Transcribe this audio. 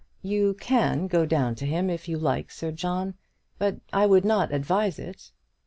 You can go down to him, if you like, Sir John; but I would not advise it."